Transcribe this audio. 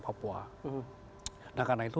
papua nah karena itu